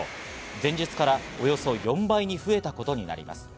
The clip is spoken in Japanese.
前日からおよそ４倍に増えたことになります。